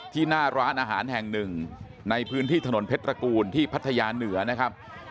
หน้าร้านอาหารแห่งหนึ่งในพื้นที่ถนนเพชรตระกูลที่พัทยาเหนือนะครับ